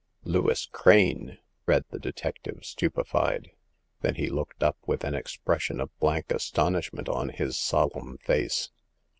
Lewis Crane !" read the detective, stupefied ; then he looked up with an expression of blank astonishment on his solemn face.